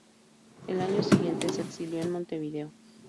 Al año siguiente se exilió en Montevideo.